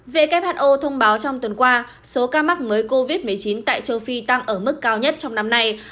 who thông báo trong tuần qua số ca mắc mới covid một mươi chín tại châu phi tăng ở mức cao nhất trong năm nay